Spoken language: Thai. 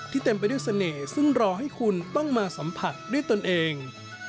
เต็มไปด้วยเสน่ห์ซึ่งรอให้คุณต้องมาสัมผัสด้วยตนเอง